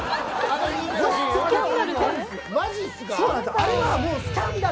あれはもうスキャンダル。